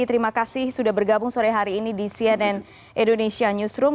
terima kasih sudah bergabung sore hari ini di cnn indonesia newsroom